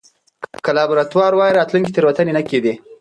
که لابراتوار واي، راتلونکې تېروتنه نه کېده.